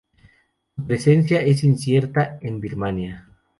Su presencia es incierta en Birmania.